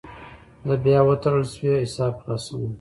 زه بیا وتړل شوی حساب خلاصوم.